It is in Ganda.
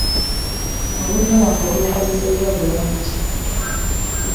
Obudde bwaffe tubukozesezza bulungi.